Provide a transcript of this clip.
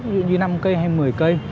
ví dụ như năm cây hay một mươi cây